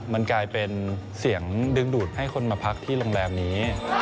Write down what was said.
มันกลายเป็นเสียงดึงดูดให้คนมาพักที่โรงแรมนี้